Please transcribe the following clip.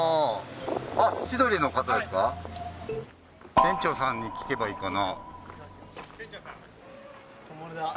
店長さんに聞けばいいかな。